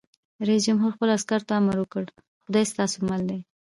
رئیس جمهور خپلو عسکرو ته امر وکړ؛ خدای ستاسو مل دی!